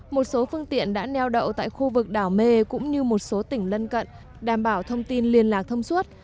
một số phương tiện đã neo đậu tại khu vực đảo mê cũng như một số tỉnh lân cận đảm bảo thông tin liên lạc thông suốt